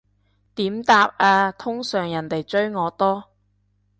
點答啊，通常人哋追我多